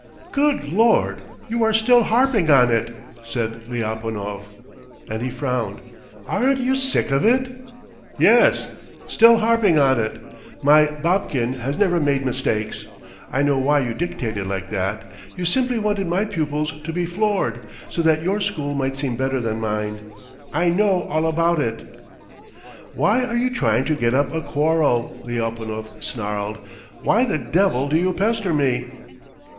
"Good Lord, you are still harping on it!" said Lyapunov, and he frowned. "Aren't you sick of it?" "Yes, still harping on it! My Babkin has never made mistakes! I know why you dictated like that. You simply wanted my pupils to be floored, so that your school might seem better than mine. I know all about it! ..." "Why are you trying to get up a quarrel?" Lyapunov snarled. "Why the devil do you pester me?"